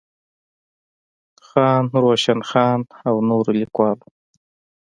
خان روشن خان او نورو ليکوالو